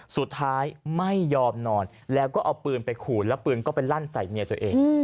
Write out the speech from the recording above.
ไม่ยอมนอนแล้วก็เอาปืนไปขูดแล้วปืนก็ไปลั่นใส่เมียตัวเอง